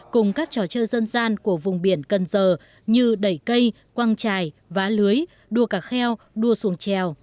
cùng các trò chơi dân gian của vùng biển cần giờ như đẩy cây quăng trài vá lưới đua cả kheo đua xuồng trèo